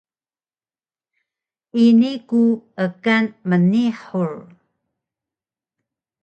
ini ku ekan mnihur